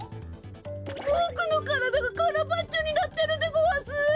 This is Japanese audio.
ボクのからだがカラバッチョになってるでごわす！